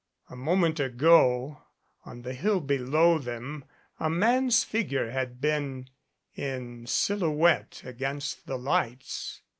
A moment ago on the hill below them a man's figure had been in silhouette against the lights.